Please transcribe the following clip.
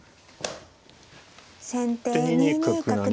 先手２二角成。